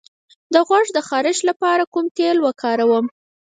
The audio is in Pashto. د غوږ د خارش لپاره کوم تېل وکاروم؟